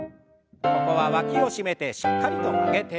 ここはわきを締めてしっかりと曲げて。